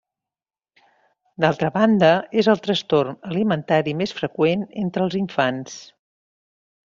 D'altra banda, és el trastorn alimentari més freqüent entre els infants.